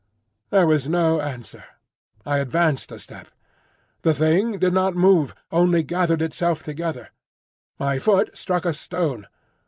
There was no answer. I advanced a step. The Thing did not move, only gathered itself together. My foot struck a stone.